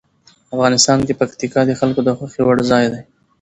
افغانستان کې پکتیکا د خلکو د خوښې وړ ځای دی.